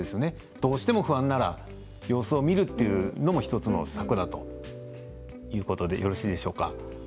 どうしても不安なら様子を見るというのも１つの策だということでよろしいでしょうか。